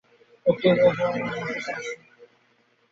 একটি লেখবার খাতা আমার আছে।